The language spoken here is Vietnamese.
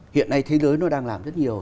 hiện nay thế giới nó đang làm rất nhiều